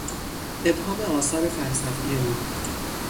ابهام آثار فلسفی او